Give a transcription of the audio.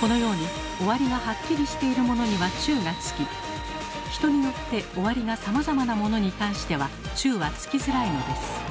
このように終わりがハッキリしているものには「中」がつき人によって終わりがさまざまなものに関しては「中」はつきづらいのです。